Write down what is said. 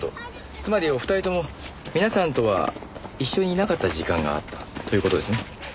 つまりお二人とも皆さんとは一緒にいなかった時間があったという事ですね？